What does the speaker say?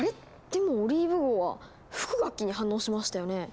でもオリーブ号は吹く楽器に反応しましたよね。